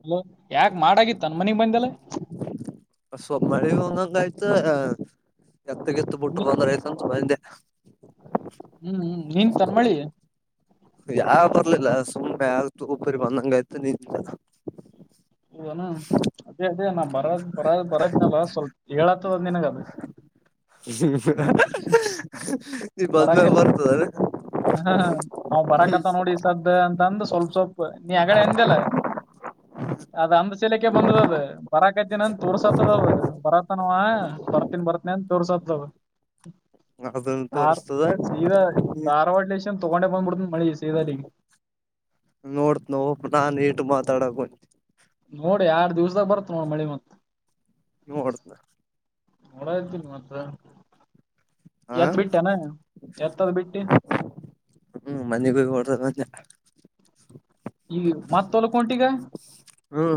ಹಲ ಯಾಕ ಮಾಡಾಗಿ ತನ್ ಮನಿಗ್ ಬಂದಲ್ಲ ಸೊ ಮಳಿ ಹಂದಂಗಯ್ತು ಎತ್ತಗೆತ್ತು ಬಿಟ್ಟು ನೀ ಬಂದ ರೈತ ಬಂದೆ ಹ್ಮ್ ನಿಂತನ್ ಮಳಿ ಯಾವ ಬರ್ಲಿಲ್ಲ ಸುಮ್ ಯಾವು ಒಬ್ಬರಿ ಬಂದಂಗ ಆಯ್ತು ನಿನ್ಲ್ಲ ಬರದ ಬರ ಬರದನಲ್ಲ ಸ್ವಲ್ಪ ಹೇಳತ್ತದ ನಿನಗದ ನೀ ಬರ ಹ ಬಂದ್ಮ್ಯಾಗ ಬರ್ತದಲ್ಲ ಅವ ಬರಕತ್ತ ನೋಡಿ ಸದ್ದ ಅಂತ ಅಂದ ಸ್ವಲ್ಪ ಸ್ವಲ್ಪ ನೀ ಅಗಡೆ ಎಂದಲ್ಲ ಅದ್ ಅಂದ ಶೀಲಕ್ಕೆ ಬಂದದ ಅದ ಬರಕತನ ಅಂತ ತೋರ್ಸತ್ತದದ್ ಬರತನ ಬರ್ತನ್ ಬರ್ತನಿ ಅಂತ ತೋರ್ಸತ್ತದ್ ಅದನ್ನ ಆ ತೋರ್ಸ್ತದ ಸೀದಾ ಧಾರವಾಡ ಲಷನ್ ತಗೊಂಡ [unintelligible] ್ ನೋಡ್ತ್ ನೋ ನಾನ್ ಟು ಮಾ ತಡ ಕೊ ನೋಡಿ ಆರ್ಡ್ ದಿವಸದಾಗ ಬರುತ್ ನೋಡ ಮಳಿ ಮತ್ತ ನೋಡ್ತನ ಮೂರಾಯತಿ ಮಾತ್ರ ಹಾ ಎತ್ತದ್ ಬಿಟ್ಟಿ ಹ್ಮ ಮನೆಗೋಗ ಹೊಡ್ತ ಮ. ಈ ಮತ್ತೋಲ್ಕಂಟಿಗ. ಹ್ಮ.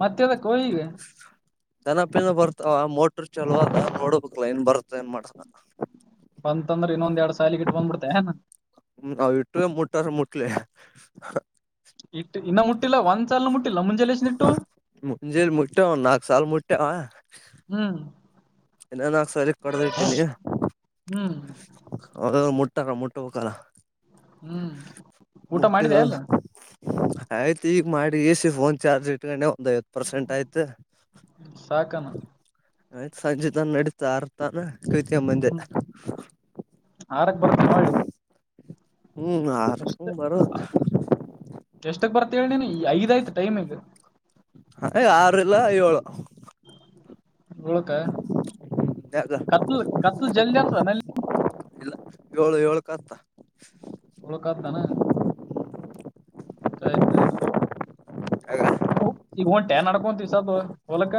ಮತ್ತೆದ ಕೋಳಿಗೆ. ಜನಪಿನ ಬರ್ತಾವ ಮೋಟ್ರರ್ ಚಲೋ ಅ ನೋಡಬೇಕಕ್ಲ ಏನ್ ಬರ್ತ ಏನ್ ಮಾಡ್ತಾರ. ಬಂತಂದ್ರೆ ಇನ್ನೊಂದ್ ಎರಡು. ಇಟ್ಟು ಮುಟ್ಟಟ್ಟ. ಯು. [unintelligible] ಇಟ್ಟು ಇನ್ನು ಮುಟ್ಟಿಲ್ಲ ಒಂದ್ಸಲಲು ಮುಟ್ಟಿಲ್ಲ ಮುಂಜೆ ಲಸನ ಇಟ್ಟು. ಮುಂಜೇಲಿ ಮುಟ್ಟೆವ ನಾಕು ಸಾಲಲ್ ಮುಟ್ಟಾವ. ಹ್ಮ್ ನಾನಾಕ್ ಸಾರಿ ಕಡ್ದ ಇಟ್ಟೀನಿ. ಹ್ಮ್ ಅವ ಮುಟ್ಟಕ ಮುಟ್ಟಬೇಕಲ್ಲ. ಹ್ಮ್. [inaudible] ಊಟ ಮಾಡಿದೆ ಅಲ್ಲ [unintelligible] ಆಯ್ತು ಈಗ ಮಾಡಿ ಎಸ ಫೋನ್ ಚಾರ್ಜ್ ಇಟ್ಕೊಂಡವು. ಒಂದಐವತ್ತು ಪರ್ಸೆಂಟ್ ಆಯ್ತು. ಸಾಕನ ಆಯ್ತತ್ ಸಂಜೆ ತಾನ ನಡೀತ ಆರ್ತಾನ. ಕೃತ್ಯಬಂದ. ಹ್ಮ್ ಆರಕ್ ಬರ್ತೇನೆ ಹೊಳ್ಳಿ [unintelligible] ಹ್ಮ್. ಎಷ್ಟ ಹ ಬರು ತಿಳಿದದ್ದೇನೆ ಈ ಐದ್ತ ೈಮ ಇಗ. ಹ ಆರುಲ್ಲ ಏಳು. ಹೋಳಕ ಯಾಗ ಕತ್ಲು ಕತ್ಲು ಜಲ್ದಿ ಆತದ ನಲ್ಲಿ. ಇಲ್ಲ ಏಳು ಏಳ್ ಕತ್ತ. ಉಳಕ ಆಯ್ತಾನ ಆಯ್ತಾಯ್ತು ಆಗ ಈಗ ಹೊಂಟ ಏನ್ ನಡ್ಕೊಂತೀ. ಒಲಕ್ಕ.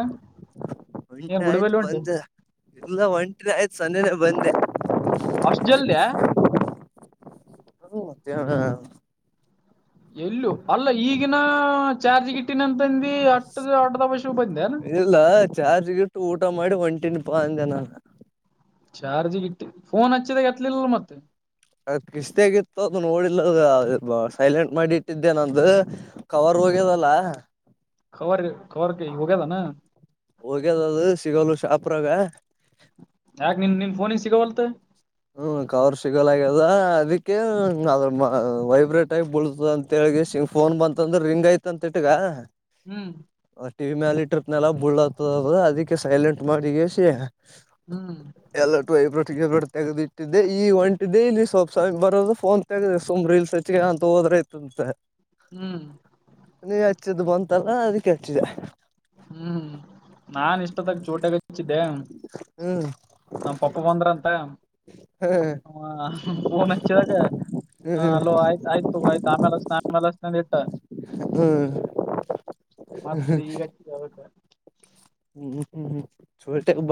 ಒಂಟಿನ ಆಯ್ತು ಬಂದ ಎಲ್ಲ ಒಂಟ್ರ ಆಯ್ತು. ಸಂಜೆ ಬಂದೆ. ಅಷ್ಟ ಜಲ್ದಿಯ. ಮತ್ತ ಹ. ಎಲ್ಲೂ ಅಲ್ಲ ಈಗಿನ ಚಾರ್ಜ್ಗಿಟ್ಟಿನಂತ. ಬ ಅ ಅದ ಬಷು ಬಂದ. ಇಲ್ಲ ಚಾರ್ಜ್ಗಿಟ್ಟು ಊಟ ಮಾಡಿ ಒಂಟಿನ ಪ ಅಂದೆ ನಾನ. ಚಾರ್ಜ್ ಇಟ್ಟು ಫೋನ್ ಹಚ್ಚಿದ ಎತ್ತಲಿಲ್ಲ ಮತ್ತೆ. ಅದ್ ಕಿಸ್ತೇಗಿತ್ತು ಅದು ನೋಡಿಲ್ಲದ ಸೈಲೆಂಟ್ ಮಾಡಿ ಇಟ್ಟಿದ್ದೆ ನಂದು. ಕವರ್ ಹೋಗ್ಯದಲ್ಲ. ವರ್ ವರ್ ಹೋಗ್ಯದಾನ ಹೋಗ್ಯದ ಅದು ಸಿಗೋಲು ಶಾಪ್ರಾಗ ಯಾಕ ನಿನ್ ನಿನ್ ಫೋನಿಿಗೆ ಸಿಗವಲ್ತೆ ಹ್ಮ ಕವರ್ ಸಿಗಲಾಗ್ಯದ ಅದಕ್ಕೆ ಅ ವೈಬ್ರೇಟ್ ಆಗಿ ಬಳತ ಅಂತ ಹೇಳಗೆ ಸಿ ಫೋನ್ ಬಂತಂದ್ರೆ ರಿಂಗ್ ಯತಂತ ಇಟ್ಟಗ ಹ್ಮ್ ಟವ ಮ ಆಿ ಟ್ರಿಪ್ನೆ ಎಲ್ಲ ಬುಳ್ಳತದ ಅದಕ್ಕೆ ಸೈಲೆಂಟ್ ಮಾಡಿಗಸಿ ಹ್ಮ್ ಎಲ್ಲ ತು ಪ್ರ ತೆಗ್ದಿಟ್ಟಿದ್ದೆ ಈ ಒಂಟ ದ ಇಲಿ ಸೊಪ್ಸಾಗಿಿ ಬರೋದು ಫೋನ್ ತೆಗದ ಸುಮ್ಮ್ ರೀಲ್ಸ್ ಹೆಚ್ಚ ಅಂತ ಹೋದ್ರೈತಂತೆ ಹ್ಮ್ ಹಚ್ಚಿದ ಬಂತಲ್ಲ ಅದಕ್ಕೆೇಳ್ತಿದೆ ಹ್ಮ್ ನಾನ್ ಇಷ್ಟದಾಗ ಚೋಟಾಗ ಹಚ್ಚಿದ್ದೆ ಹ್ಮ್ ನಮ ಪಪ್ಪ ಬಂದ್ರಂತ ಹ ಪೂನ್ ಹಚ್ಚಿದಾಗ ಹ್ಮ್ ಅಲೋ ಆಯ್ತ ಆಯ್ತು ಆಯ್ತು ಆಮೇಲೆ ಆಮೇಲೆಷ್ಟನೆಂದ ಇಟ್ಟ ಹ್ಮ್ ಮತ್ತ ಈಗ ಬೌತ್ತ ಹ್ಮ್ ಹ್ಮ್ ಹ್ಮ್ ಚೊಲ್ಟಬ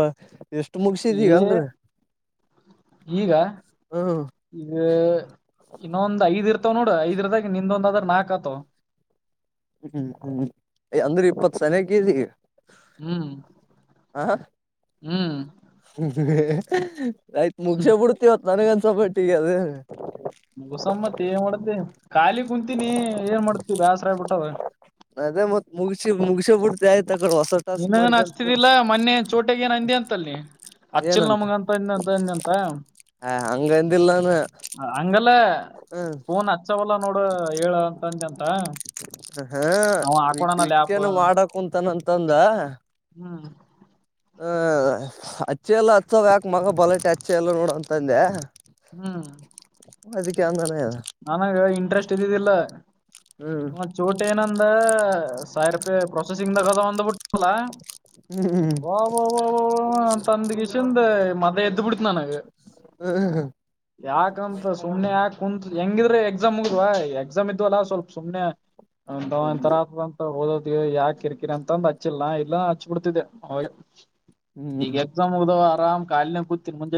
ಈಗ ಹ್ಮ್ ಈ ಇನ್ನೊಂದು ಐದ್ ಇರ್ತ ಆ ನೋಡ ಇದದ್ರದಾಗ ನಿಂದೊಂದ್ದನಾಕ ಆತವ ಹ್ಮ್ ಹ್ಮ್ ಹ್ಮ್ ಅಂದ್ರೆ ಇಪ್ಪತ್ ಸನಕ ಹ್ಮ್ ಹ ಹ್ಮ್ ಆಯ್ತ್ ಮುಗಸೆ ಬಿಡ್ತಿವತ್ತು ನನಗನ್ಸಪಟ್ಟಿಗೆ ಅದ ಮುಗಸನ್ ಮತ್ ಏನ್ ಮಾಡತಿ ಖಾಲಿ ಕುಂತೀನಿ ಏನ್ ಮಾಡ್ತೀವಿ ಬೇಸ್ರಾಯ್ಬಿಟ್ಟವ ಅದೇ ಮತ್ ಮುಗಿಸಿ ಮುಗಸ ಬಿಡ್ತ ಆಯ್ತು ನೀನನ್ ಹಚ್ತಿದಿಲ್ಲಾ ಮೊನೆ ಚೋಟಗ ಏನ್ ಅಂದ ಅಂತಲ್ಲಿ ಹಚ್ಚಿಲ್ ಏನಂತ ನಮಗ ಅಂತ ಅಂದ ಅಂತ ಅಂದಂತ ಆ ಹಂಗಂದಿಲ್ಲಾನ ಹಂಗಲ್ಲ ಹ ಫೋನ್ ಹಚ್ಚವಲ್ಲ ನೋಡ ಹೇಳ ಅಂತ ಅಂದ ಅಂತ ಹಾ ಅವ ಹಾಕೋಣನ ಲ್ಯಾಪ್ ವಿಕಾನ ಮಾಡಕ ಕುಂತಾ ಅಂತಂದ ಹ್ಮ್ ಹ ಅಚ್ಚೆ ಎಲ್ಲ ಹತ್ಸವ ಯಾಕ ಮಗ ಬಲಟೆ ಅಚ್ಚೆ ಎಲ್ಲ ನೋಡಂದೆ ಹ ಅದಕ್ಕೆ ಅಂದಾನ ನನಾಗ ಇಂಟ್ರೆಸ್ಟ್ ಇದ್ದಿದ್ದಿಲ್ಲ ಹ್ಮ್ ಚೋಟ ಏನಂದ ಸಾವಿ ರಪ ಪ್ರಸೆಸಿಂಗ್ ದ ಕದಾಂದ ಬ ಬಿಟ್ಟು ಲ ಅಬಬ ತಂದ ಕಷಂದ ಮದ ಎ್ದ ಬಿಡ್ತನನಗೆ ಹ್ಮ್ ಯಾಕಂತ ಸುಮಮ್ಮನೆ ಯಾಕ್ ಹಂದು ಹೆಂಗಿದ್ರೆ ಎಕ್ಸಾಮ್ ಮುಗ್ವಾ ಎಕ್ಸಾಮ್ ಇದ್ವಲ್ಲ ಸ್ವಲ್ಪ ಸುಮ್ನೆ ಅ ಹ್ಮ್ ತರಂತ ಹೋದ ಯಾಕ ಕಿರಿಕಿರಿ ಅಂತಂದು ಹಚ್ಚಿಲ್ಲಾ ಇಲ್ಲ ಹಚ್ ಬಿಡ್ತಿದ್ದೆ ಈಗ ಹ್ಮ್ ಎಕ್ಸಾಮ್ ಮುಗದಾವ ಆರಾಮ ಕಾಲಿನ ಕುೂತಿನ್ ಮುಂಜ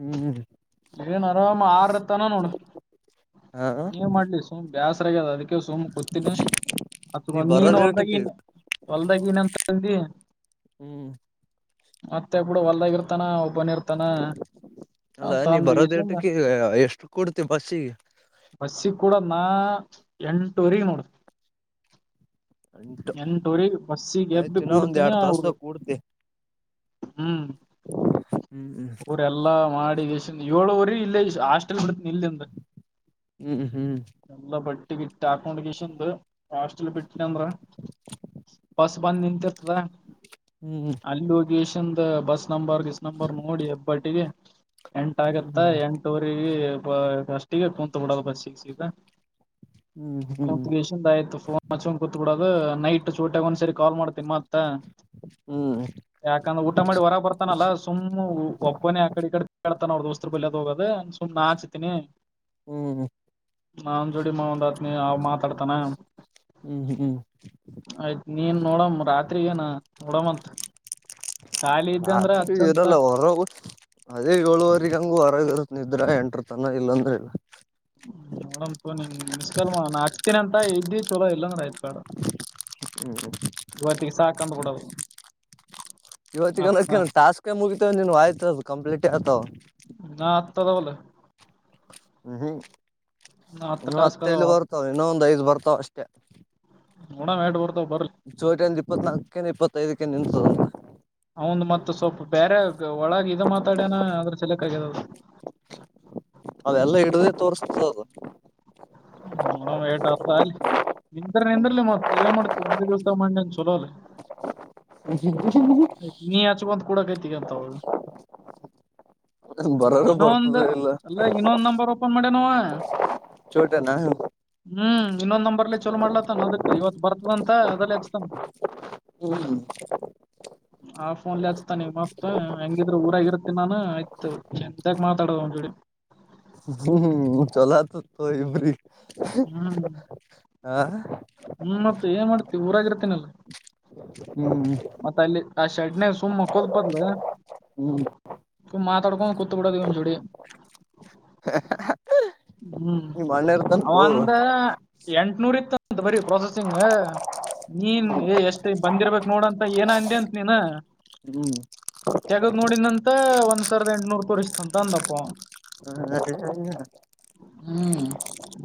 ಹ್ಮ್ [inaudible] ಏನು ಆರಾಮ್ ಆರು ಹ ನೋಡ ಹಾ ನೀವ ಮಾಡ್ಲಿ ಸೋಮ ಬ್ಯಾಸ್ರಾಗ ಅದಕ ಸುಮ್ ಕುತಿಣಿ ನೀ ನೀನ್ ಬರೋದೇಟಕ್ಕೆ ಹೊಲ್ದಾಗನ್ ಹೊಲ್ದಾಗ ನಂತಿ ಹ್ಮ್ ಮತ್ತೆ ಕೂಡ ಹೊಲ್ದಾಗಿ ಇರ್ತಾನ ಒಬ್ಬನ ಇರ್ತಾನ ಅಲ್ಲ ಅಂತ ನೀ ಬರೋದ ಅಂದಗಿಸಿಂದ ಟಕ್ಕೆ ಎಷ್ಟು ಕುಡ್ತ ಪಸಿ ಬಸ್ಸಿಗೆ ಕೂಡ ನಾ ಎಂಟುವರೆ ನೋಡ ಎಂಟು ಎಂಟವರಿಗೆ ಬಸ್ಸಿಗೆ ಎಬ್ ಆಯ್ತು ಇನ್ನ ಒಂದ್ ಕೂಡ್ತೀನಿ ಎರಡ್ ಅವರು ತಾಸ ಕೂಡ್ತಿ ಹ್ಮ್ ಹ್ಮ್ ಅವರೆಲ್ಲಾ ಮಾಡಿದ ಏಳೋವರು ಇಲ್ಲ ಹಾಸ್ಟಲ್ ಬಿ ನಿಲ್ಲಿಂದ ಹ್ಮ್ ಹ್ಮ್ ಎಲ್ಲ ಬಡ್ ಟಟ್ [inaudible] ಹಾಕೊಂಡ್ ಗಿಶಂದು ಹಾಸ್ಟಲ್ ಬಿಟ್ಟನ ಅಂದ್ರ ಬಸ ಬಂದು ನಿಂತಿರ್ತದ ಹ್ಮ್ ಅಲ್ಲಿ ಹೋಗಿ ಬ [inaudible] ನಂಬರ್ ಕಿಸ್ ನಂಬರ್ ನೋಡಿ ಹೆಬ್ಬಟ್ಟಿಗೆ ಎಂಟ ಆಗತ್ತ ಹ್ಮ್ ಹ್ಮ್ ಎಂಟವರಿಗೆ ಅಷ್ಟಿಗೆ ಕುಂತ ಕೊಡಲ್ಲ ಬಸ್ ಸಿಗೆ ಸಿತಾ ಹ್ಮ್ ಹ್ಮ್ ಹಷಂದ ಆಫೋಚೋ ನೈಟ್ ಚೋಟಾಗಗ ಒಂದ್ ಸರಿ ಕಾಲ್ ಮಾಡ್ತನಿ ಮ ಹ್ಮ್ ಯಾಕಂದ್ರೆ ಊಟ ಮಾಡಿ ಹೊರ ಬರ್ತಾನಲ್ಲಾ ಸುಮ್ಮ್ ಒಬ್ಬನೇ ಆಕಡೆ ಈ ಕಡೆ ಕೇಳ್ತಾನ ಅವ್ರ್ದಸ್ತ ಹ ಬಲ್ಯದ ಹೋಗೋದ ಸುಮ್ ನಾಚತೀನಿ ಹ್ಮ್ ಹ ಜೋಡಿ ಮಾ ಒಂದ ಆತ್ನ ಅವ ಮಾತಾಡ್ತಾನ ಹ್ಮ್ ಹ್ಮ್ ಆಯ್ತ್ ನೀನ್ ನೋಡಮ ರಾತ್ರಿಗಏನ ನೋಡಮಂತ ಖಾಲಿ ಇದ್ದೆ ಅಂದ್ರ ರಾತ್ರಿ ಹಚ್ಚಂತ ಇರಲ್ಲ ಹೊರ ಅದೇ ಏಳುವರೆಗ ಹಂಗ ಹೊರಗ ಇರುತ್ತ ನಿ ಇದ್ರ ಎಂಟ್ರ ತಾನ ಇಲ್ಲಾಂದ್ರ ಇಲ್ಲ ಹ್ಮ ಮೇಡ ಮಿಸ್ ಕಲ್ ನಾ ಹಚ್ತೀನ ಅಂತ ಇದ್ದಿ ಚಲೋ ಇಲ್ಲಾಂದ್ರೆ ಆಯ್ತ್ ಮೇಡ ಹ್ಮ ಉಕ್ಕಂದು ಬಿಡ ಇವತ್ತಗನಕಟಾಸ್ಕ ಮುಗಿತವ ನೀನು ಆಯ್ತ ಅದು ಕಂಪ್ಲೀಟ ಆತವ ತ್ತದ ಹ್ಮ ನಾ ಹತ್ತ್ ಹ್ಮ ಇ ಟಾಸ್ಕ್ ಅದಾವ ಹತ್ತೈಲ್ಲಿ ಬರ್ತಾವ ಇನ್ನೊ ಒಂದ್ ಐದು ಬರ್ತಾವ ಅಷ್ಟೇ ಹಣ ಮಟೂರ್ ಚೋಟಿಯಂದ ಇಪ್ಪತ್ನಾಲ್ಕಂದ ಇಪ್ಪತ್ತು ಇದಕ್ಕೆ ನಿಂತಂತದಂತ ಅವಂದು ಮತ್ತ ಸ್ವಲ್ಪ ಬೇರೆ ಒಳಗ ಇದ ಮಾತಾಡ್ಯನ ಅದ್ರ ಚೆಲಕ್ ಆಗ್ಯದದು ಅವೆಲ್ಲ ಹಿಡ್ದೇ ತೋರ್ಸ್ತದು ನೋಡಮ್ ಏಟ್ ಹ ಅ ನಿಂದ್ರ ನಿಂದ್ರಲಿ ಮ ಏನ್ ಮಾಡ್ತವಿ ಒಂದೇ ದಿವ್ಸ ಮಾಡಂದ ಚಲೋಲಿ ಷ [unintelligible] ಗಂತ ಹದು ಅದು ಬರೋರು ಇನ್ನೊಂದ ಬರ್ತದ ಇಲ್ಲ ಅಲ್ಲ ಇನ್ನೊಂದ್ ನಂಬರ್ ಓಪನ್ ಮಾಡೇ ನವ ಹಾ ಚೋಟನ ಹ್ಮ್ ಇನ್ನೊಂದ್ ನಂಬರ್ಲಿ ಚಲ ಮಾಡ್ಲತನ್ ಅದಕ್ ಇವತ್ ಬರ್ತದಂತ ಅದಲ್ಲ ಹಚ್ತನ್ ಹ್ಮ್ ಹ್ಮ್ ಆ ಫೋನ್ಲಿ ಹಚ್ತಾನಿ ಮತ್ತ ಹೆಂಗಿದ್ರ ಊರಾಗಿರುತ್ತನ್ನು ಆಯ್ತು ಚಂದಾಗ ಮಾತಾಡದುಂಬಡಿ ಹ್ಮ ಚೆಲೋ ಇತ್ತು ಇವ್ರಿ ಹ್ಮ್ ಆ ಹ್ಮ್ ಮತ್ತ ಏನ್ ಮಾಡ್ತಿ ಊರಾಗಿರ್ತೇನಲ್ಲ ಹ ಹ್ಮ್ ಆ ಸಡ್ ಸುಮ್ಮ್ ಕೊಲ್ಪದಲ ಹ್ಮ್ ಇ ಮಾತಾಡ್ಕೊಂಡ ಕುತ್ತು ಬಿಡೋದಂಚೂಡಿ ನೀ ಮಣ್ಣ್ಯರ್ ತನ್ ಹೋಗುವ ಎಂಟನೂರ್ ಇತ್ತಂತ ಬರಿ ಪ್ರೊಸೆಸಿಂಗ್ ನೀನ್ ಏ ಎಷ್ಟ ಬಂದಿರ್ಬೇಕಕ್ ನೋಡಂತ ಏನ ಅಂದ ಅಂತ ನೀನ್ ಹ್ಮ್ ತೆಗದ್ ನೋಡಿನಂತ ಒಂದ್ ಸಾವಿರದ ಎಂಟನೂರ್ ತೋರಿಸಸ್್ತಂತ ಅಂದಪ್ಪ ಅದೇ ಹ್ಮ್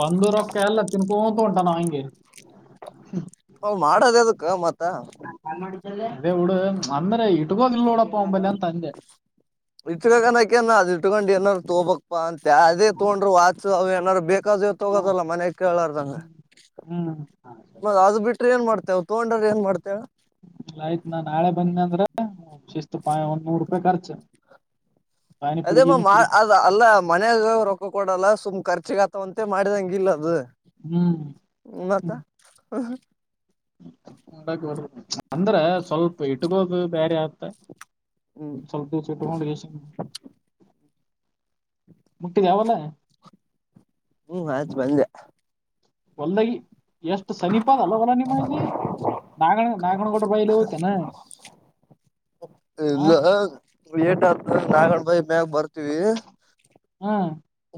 ಬಂದೂರೊಕ್ಕೆ ಎಲ್ಲ ತಿನ್ಕೊಂತು ಉಂಟ ನಾವ ಹಿಂಗೆ ತ್ತಾ ಅದೇಡು ಅಂದ್ರೆ ಇಟ್ಕೋದಿಲ್ಲೋಡ ಇಷ್ಟು ಕಕನ್ಕ ಅದು ಇಟ್ಕೊಂಡು ತೋ ಬ ಪಾ ಅದೇ ತಗೊಂಡ್ರು ವಾಚು ಏನಾದ್ರು ಬೇಕಾ? ತಗೋದಲ್ಲ ಮನ್ಯಗ್ ಕೇಳಾರ್ದಂಗ ಹ್ಮ್ ಮ ಅದು ಬಿಟ್ರೆ ಏನ್ ಮಾಡ್ತ ನಾವ್ ತಗೊಂಡ್ರ ಏನ್ ಮಾಡ್ತೇವೆ ಆಯ್ತ್ ನಾನ್ ನಾಳೆ ಬಂದ ಅಂದ್ರೆ ಶೇಷತು ಪಾಯ ಹೊನ್ನ ರೂಪಾಯ ಖರ್ಚು ಪಾನಿಪುರಿ ಅದೇ ಮಾಮಾ ಗೀನಿಪುರಿ ಅದ ಅಲ್ಲ ಮನಯಾಗ ರೊಕ್ಕ ಕೊಡಲ್ಲ ಸುಮ್ ಖರ್ಚಿಗ ಆತವಂತೆ ಮಾಡಿದಂಗಿಲ್ಲ ಅದು ಹ್ಮ್ ಮತ್ತ ಹಟಾಕ್ ಅಂದ್ರೆ ಸ್ವಲ್ಪ ಇಟ್ಟುಕೋದು ಬೇರೆ ಯತ್ತ ಹ್ಮ್ ಸ್ವಲ್ಪ ದ ಇಟ್ಟಕೊಂಡ ಮುಟ್ಟಿನ್ ಯಾವಲ್ಲ ಹ್ಮ್ ಆತ್ ಬಂದೆ ಒಲ್ದಾಗಿ ಎಷ್ಟು ಸಮೀಪದ ಅಲ್ಲವಲ್ಲ ನಿಮ್ಮ ಇಲ್ಲಿ ನ ನಗಣ ಬತ ನ ಇಲ್ಲ ಏಟ ನಾಗಣ್ ಬೈಕ್ ಮ್ಯಾಗ ಬರ್ತೀವಿ ಹಾ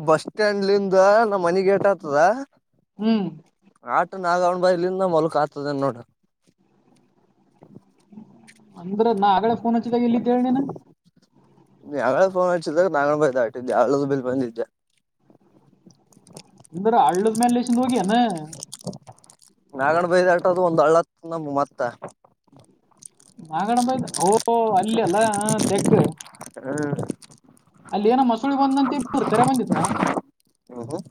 ಬಸ್ ಸ್ಟ್ಯಾಂಡ್ಲಂದ ನಮ್ಮ ಮನೆಗೇಟ್ ಹತ್ತಿದ ಹ್ಮ್ ನಾಗವಣ್ ಬಲಿಂದ ಮಲ್ಕ ಆತದ ನೋಡ ಅಂದ್ರ ನಾ ಆಡೆ ಫೋನ್ ಹಚ್ಚಿದಾಗ ಇಲ್ಲಿತ್ ಹೇಳನೇನ ನೀ ಯಾವಳ ಫೋನ್ ಮಾಡಸಿದಾಗ ನ ಬತಾ ಆಟಿದ್ದಿ ಯಾವಳ ಬೆಲ್ ಬಂದಿದ್ದೆ ಅಂದ್ರ ಹಳ್ಳದ್ಮೇಲೆಸಂದು ಹೋಗ್ಯಾನ ನಾಗಣ ಬೈದ ಆಟದದು ಒಂದ್ ಹಳ್ಳತ್ ನಮ ಮತ್ತ ನಾಗಣ ಬೈಕ್ ಇಲ್ಲ ಅಲ್ಲ ತೆಗ್ಗ ಹ್ಮ್ ಅಲ್ಲಿ ಏನ ಮ ಚುಳಿ ಬಂದಂತೆ ಇರು ಕರೆ ಬಂದಿತ್ತ ಹ್ಮ್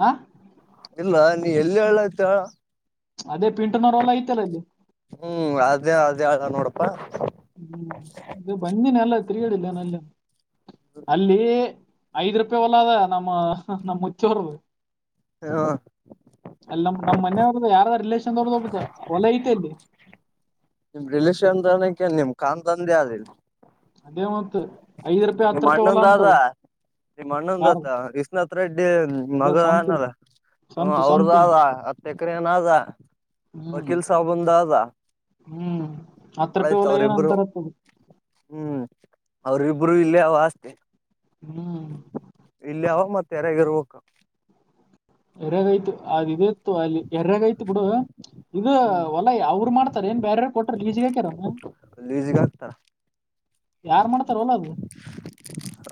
ಹ ಇಲ್ಲ ನೀ ಎಲ್ಲಿ ಹೇಳಯ್ತ ಅದೇ ಪಿಂಟುನವರ ಎಲ್ಲ ಐತಲ್ಲ ಇಲ್ಲಿ ಹ್ಮ್ ಅದೇ ಅದೇ ನೋಡಪ್ಪಾ ಹ್ಮ್ ಇದು ಬಂದಿನ ಎಲ್ಲ ತಿಗೇಡಿಲ್ಲಲ್ಲಿ ಅಲ್ಲಿ ಐದ್ ರೂಪಾಯಿ ಹೊಲ ಅದ ನಮ್ಮ ನಮ್ಮ ಮುಚ್ಚಿಯವರದು ಹ ಅಲ್ಲ ನಮ್ಮ ಮನೆ ನೋಡ್ದ ಯಾರ ರಿಲೇಶನ್ ದೊಡ್ದಡ್ತ ಒಲ ಐತೆ ಅಲ್ಲಿ ಕನ್ಧಂದೆ ಆದ ಅದೇ ಮ ನಿಮ್ಮ ಅಣ್ಣೊಂದ ಅ ನಿಮ್ಮ ಮಣ್ಣೊಂದ ಯಾರು ಆತ ಇ್ಣ ಹ ಅ ಅದೇ ಮಗ ಸಂತು ಅನಲ್ಲ ಸಂತು ಅವ್ರದ ಸಂತು ಆದ ಹತ್ತ ಎಕರೆನಾದ ಹ್ಮ್ ವಕೀಲ್ ಸಾಬಂದ ಹ್ಮ್ ಹತ್ತ್ ರೂಪಾಯಿ ಒಯ್ತ ಹೊಲ ಏನ್ ಅವ್ರಿಬ್ಬರು ಅಂತಾರತ್ತದ ಹ್ಮ್ ಅವ್ರಿಬ್ಬರು ಇಲ್ಲೇ ಅವ ಅಷ್ಟೆ ಹ್ಮ್ ಇಲ್ಲಾವ ಮತ್ತೆ ಯಾರಗರ್ಬೇಕ ಎರ್ಯಾಗೈತು ಅದ್ ಇ ಇತ್ತು ಅಲ್ಲಿ ಎರ್ಯಾಗೈತ್ ಬಿಡು ಇದು ಹೊಲ್ಲಾ ಯಾವರು ಮಾಡ್ತಾರ ಏನ್ ಬೇರಾರ ಕೊಟ್ರ ಲಲೀಸಿಗೆ ಹಾಕರಮ್ಮ ಲೀಸ್ಗೆ ಹಾಕ್ತಾರ ಯಾರ್ ಮಾಡ್ತಾರವಲ್ಲ ಅದು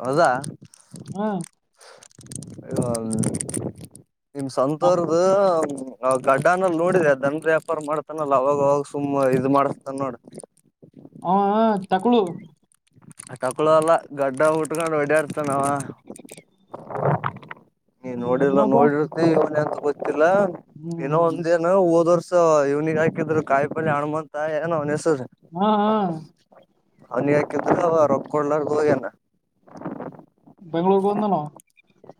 ಹೌದಾ ಹಾ ಇಗ ನಿಮ್ ನಾವ್- ಸಂತರದ ಆ ಗಡ್ಡನಲ್ ನೋಡಿದೆ ದನ್ ವ್ಯಾಪಾರ ಮಾಡ್ತಾನಲ್ಲ ಅವಾಗ ಅವಾಗ ಸುಮ್ಮ್ ಇದ ಮಾಡಸ್ತಾನ ನೋಡ [unintelligible] ಆ ತಕ್ಳು ಎಲ್ಲ ಗಡ್ಡ ಉಟ್ಕೊಂಡು ರೆಡಿ ಆರ್ತ ನಾವ ನೀ ನೋಡಿರ್ಲ್ಲ ಇನ್ನೊಬ್ಬ ನೋಡಿರ್ತಿ ಮ ಆತಿಲ್ಲ ಏನೋ ಹ್ಮ್ ಒಂದ ಏನು ಓದವರ್ ಇವ್ನಿಗೆ ಹಾಕಿದ್ರು ಕಾಯಿ ಪಲ್ ಹಣ್ಮಂತ ಏನೋ ತ್ತ ಹಾ ಹಾ ಅ [unintelligible] ಬೆಂಗ್ಳೂರುಗೆ ಬಂದನೋ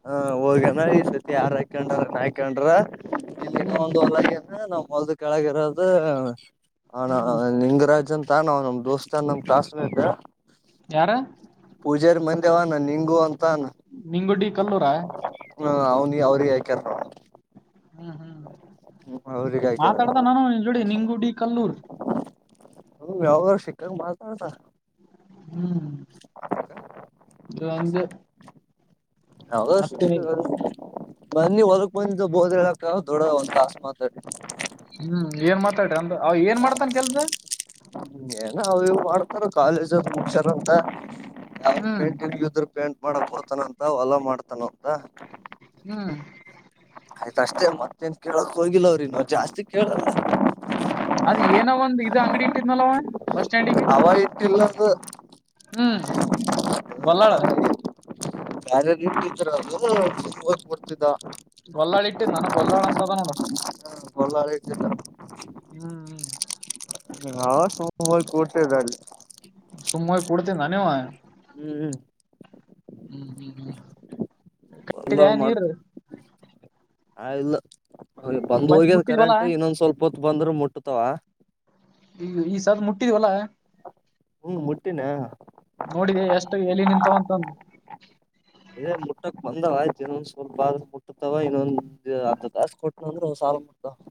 ಹಾ ಹೋಗಣ ಈ ಸರ್ತಿ ಯಾರ ಹಾಕೊಂಡ್ರ ನ ಹಾಕೊಂಡ್ರ ಹ್ಮ್ ಒಂದು ನಾವು ಮೊಲ್ದ ಕೆಳಗಿರೋದು ಹಣ ಹ್ಮ್ ಲಿಂಗರಾಜ್ ಅಂತ ನ ನಮ್ ದೋಸ್ತ ನಮ್ ಕ್ಲಾಸ್ಮೇಟ್ ಯಾರ ಪೂಜೆರ ಮನೆ ನಿಂಗು ಒ [unintelligible] ನಿಂಗುಡಿ ಕಲ್ಲೂರ ನ ಹ ಅವನಿ ಅವ್ರಿಗೆ ಆ [inaudible] ಹ್ಮ್ ಹ್ಮ್ ಅವ್ರಿಗೆ ಹಾಕ್ಯಾರ ಮಾತಾಡ್ತ ನಾನು ಜೋಡಿ ನಿಂಗುಡಿ ಕಲ್ಲೂರ್ ಹೌದ್ ಯಾವ್ದೋ ಶೀಕ್ಕಾಂಗ್ ಮಾತಾಡ್ತಾರ್. [unintelligible] ಹ್ಮು [unintelligible] ಯಾವ್ದೋ [unintelligible] ಬನ್ನಿ ಹೊಲಕ್ ಬಂದ್ ಬೋದ್ ಎಳ್ಯಾಕ್ ದೊಡ್ಡ ಒಂದ ತಾಸ್ ಮಾತಾಡ್ರ. ಹ್ಮ್ ಏನ್ ಮಾತಾಡಿ ಅಂದ ಅವ ಏನ್ ಮಾಡ್ತಾನ್ ಕೆಲ್ಸ. ನ ಅವ್ ಇವ ಮಾಡ್ತಾರ ಕಾಲೇಜ್ [unintelligible] ಅಂತ ಯಾವ್ದ್ ಹ್ಮ್ ಪೇಂಟ್ [unintelligible] ಯುತುರ್ ಪೇಂಟ್. ಬೇಡ ಅತ್ ಹೊತನ ಅಂತ್. ತ ಹೊಲದಾಗ್ ಮಾಡ್ತಾನ ಅವ್. ಗ ಹ್ಮ್ ಆಯ್ತ ಅಷ್ಟೇ ಮತ್ತೇನ್. ಕೇಳಾಕ್ ಹೋಗಿಲ್ಲ ಅವರ್ ಇನ್ನು [unintelligible] ಅದ ಏನ ಒಂದ ಇದು ಅಂಗಡಿ ಇಟ್ಟಿದ್ನಲ್ ಅವ್ ಬಸ್ ಸ್ಟ್ಯಾಂಡಿಗಿ. ಹೂ ಹ್ಮು ಬಲ್ಲಾಳ್. ಯಾರ ಯಾರಿಗಿ ಇಟ್ಟಿದ್ರ [unintelligible] ಬರ್ತಿದ್ದ ಅವ್. ಗೊಲ್ಲಾಳ ಇಟ್ಟಿದ್ದ ನನಗ್ ಗೊಲ್ಲಾಳ ಅಂತ ಅದ ನೋಡ. ಗೊಲ್ಲಾಳ ಇಟ್ಟಿದ್ದ. ಹ್ಮ್ ನಾವ [unintelligible] ಇವ್ ಹೋಗಿ ಕುರ್ತೀದ್ದಾ ಅಲ್ಲಿ. ಸುಮ್ಮ್ ಹೋಗಿ ಕೂಡ್ತಿ [unintelligible] ಹ್ಮು ಹ್ಮು. ಹ್ಮು ಹ್ಮು ಹ್ಮು ಕಟ್ಟಿದೆ ಬಲ್ಲಾಳ್ ಮಾಡ್ತ ನೀರ್. ಆ ಇಲ್ಲ. [unintelligible] ಬಂದ ಬಂದ್ ಹೋಗಿದ ಮುಟ್ಟಿದ್ವಲ್ಲಾ ಕರೆಂಟ್ ಇನ್ನೊಂದ್ ಸ್ವಲ್ಪ ಬಂದ್ರು ಮುಟ್ಟುತಾವ. ಈ ಈ ಸದ್ ಮುಟ್ಟಿವಲ್ಲಾ. ಹ್ಮು ಮುಟ್ಟಿನ. ನೋಡಿದೆ ಎಷ್ಟು ಎಲ್ಲಿ ನಿಂತಾವಂತಂದ್. ಬಂದ ಆಯ್ತು ಇನ್ನೊಂದ್ ಸ್ವಲ್ಪ ಆದ್ರ ಮುಟ್ಟತಾವ ಇನ್ನೊಂದ ಅರ್ಧ ತಾಸ್ ಕೊಟ್ಟ ಅಂದ್ರ ಸಾಲ ಮುಡ್ತಾವ್.